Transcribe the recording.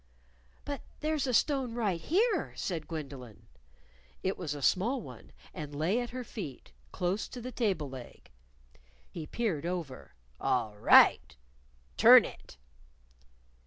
"But there's a stone right here," said Gwendolyn. It was a small one, and lay at her feet, close to the table leg. He peered over. "All right! Turn it!"